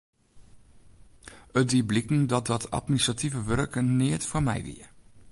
It die bliken dat dat administrative wurk neat foar my wie.